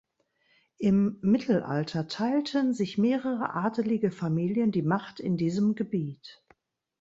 Im Mittelalter teilten sich mehrere adelige Familien die Macht in diesem Gebiet.